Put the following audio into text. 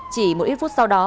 chỉ một ít phút sau đó